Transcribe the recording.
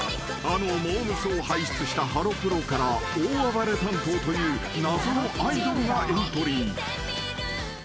［あのモー娘。を輩出したハロプロから大暴れ担当という謎のアイドルがエントリー］